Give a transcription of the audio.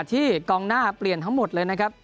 ที่กองหน้าเปลี่ยนทั้งหมดเลยนะครับ